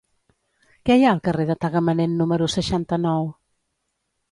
Què hi ha al carrer de Tagamanent número seixanta-nou?